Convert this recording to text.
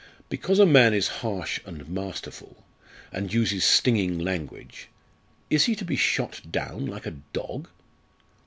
"Because a man is harsh and masterful, and uses stinging language, is he to be shot down like a dog?"